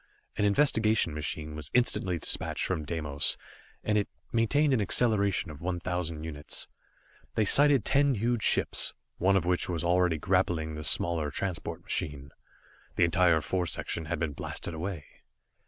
An investigation machine was instantly dispatched from Deimos, and it maintained an acceleration of one thousand units. They sighted ten huge ships, one of which was already grappling the smaller transport machine. The entire fore section had been blasted away.